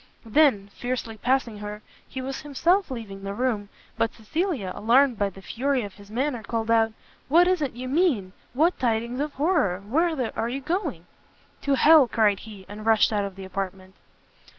Then, fiercely passing her, he was himself leaving the room; but Cecilia, alarmed by the fury of his manner, called out, "What is it you mean? what tidings of horror? whither are you going?" "To hell!" cried he, and rushed out of the apartment.